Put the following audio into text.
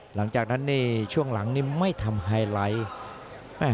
หลังจากนั้นในช่วงหลังนี้ไม่ทำไฮไลท์